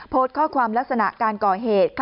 โพสต์ข้อความลักษณะการก่อเหตุ